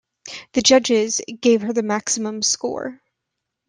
The judges gave her the maximum score.